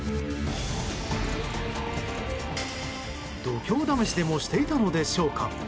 度胸試しでもしていたのでしょうか。